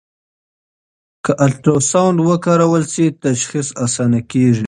که الټراساؤنډ وکارول شي، تشخیص اسانه کېږي.